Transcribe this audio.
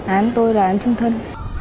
án tôi là án chung thân